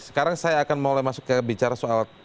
sekarang saya akan mulai masuk ke bicara soal